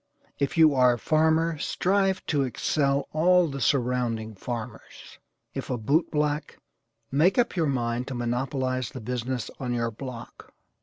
If you are a farmer strive to excel all the surrounding farmers. If a boot black, make up your mind to monopolize the business on your block.